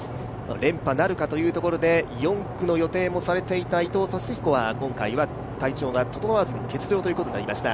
連覇なるかというところで４区の予定もされていた伊藤達彦は今回が体調が整わず欠場となりました。